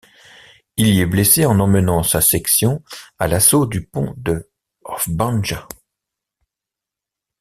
Il y est blessé en emmenant sa section à l’assaut du pont de Vrbanja.